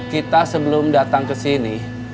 kita sebelum datang kesini